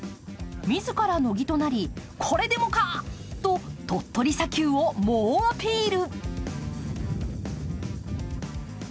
自ら乃木となり、これでもか！と鳥取砂丘を猛アピール。